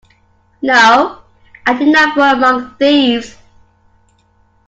No, I did not fall among thieves.